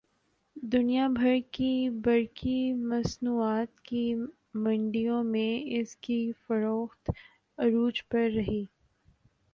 دنیا بھر کی برقی مصنوعات کی منڈیوں میں اس کی فروخت عروج پر رہی